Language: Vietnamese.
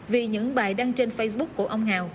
vì những bài đăng trên facebook của ông hào